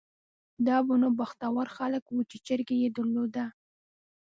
دا به نو بختور خلک وو چې چرګۍ یې درلوده.